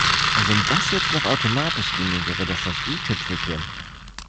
Und wenn das jetzt noch automatisch ginge, wäre das das i-Tüpfelchen.